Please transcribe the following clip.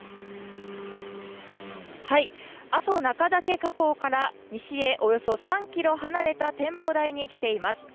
阿蘇中岳火口から西へおよそ３キロ離れた展望台に来ています。